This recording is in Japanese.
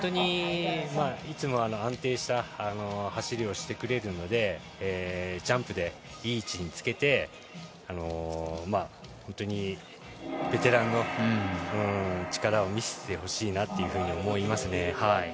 いつも安定した走りをしてくれるのでジャンプでいい位置につけてベテランの力を見せてほしいなと思いますね。